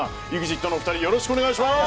ＥＸＩＴのお二人よろしくお願いします。